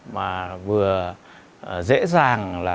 mà vừa dễ dàng là